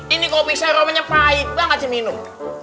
ini kopi serumnya pahit banget saya minum